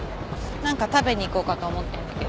なんか食べに行こうかと思ってんだけど。